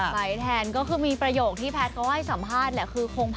ไปซื้อบิ๊กไบไทซ์มาขับแล้ว